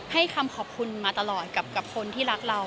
ให้คำขอบคุณมาตลอดกับคนที่รักเรา